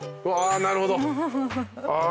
あなるほど。